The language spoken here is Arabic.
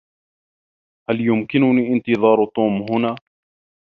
هل يمكنني إنتظار توم هنا؟